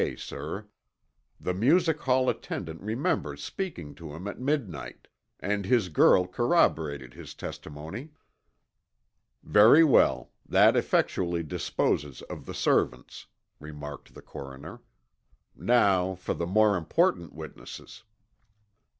K., sir. The music hall attendant remembers speaking to him at midnight, and his girl corroborated his testimony." "Very well. That effectually disposes of the servants," remarked the coroner. "Now for the more important witnesses."